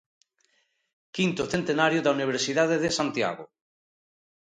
_V Centenario da Universidade de Santiago: